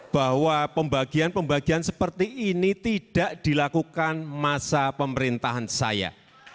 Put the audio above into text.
bahwa pembagian pembagian seperti ini tidak dilakukan masa pemerintahan saya